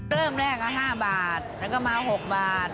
เริ่มแรกก็๕บาทแล้วก็มา๖บาท